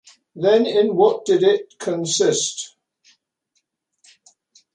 Then in what did it consist?